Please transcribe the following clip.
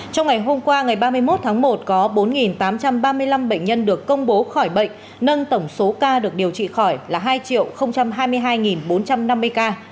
trong ngày hôm qua ngày ba mươi một tháng một có bốn tám trăm ba mươi năm bệnh nhân được công bố khỏi bệnh nâng tổng số ca được điều trị khỏi là hai hai mươi hai bốn trăm năm mươi ca